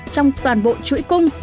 trong toàn bộ chuỗi cung